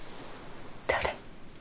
誰？